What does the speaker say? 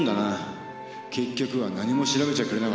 結局は何も調べちゃくれなかった。